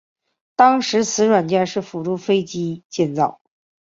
当时此软件是辅助飞机建造。